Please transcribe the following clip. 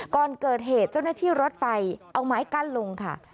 ก่อนเกิดเหตุเจ้าหน้าที่รถไฟเอาไม้กั้นลงค่ะ